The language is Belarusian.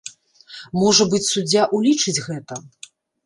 Можа быць, суддзя ўлічыць гэта.